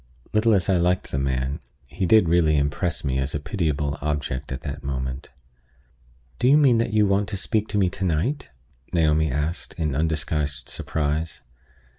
Little as I liked the man, he did really impress me as a pitiable object at that moment. "Do you mean that you want to speak to me to night?" Naomi asked, in undisguised surprise.